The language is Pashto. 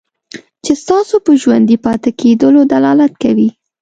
چې ستاسو په ژوندي پاتې کېدلو دلالت کوي.